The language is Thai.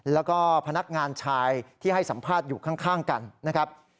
แล้วก็พนักงานชายที่ให้สัมภาษณ์อยู่ข้างกันนะครับ